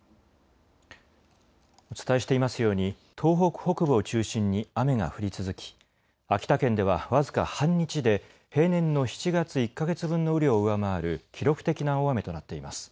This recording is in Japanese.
お伝えしていますように東北北部を中心に雨が降り続き秋田県では僅か半日で平年の７月１か月分の雨量を上回る記録的な大雨となっています。